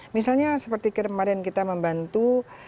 misalnya seperti kemarin kita membantu